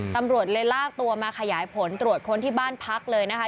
ตำรวจเลยลากตัวมาขยายผลตรวจค้นที่บ้านพักเลยนะคะ